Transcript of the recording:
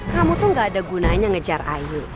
kamu tuh gak ada gunanya ngejar ayu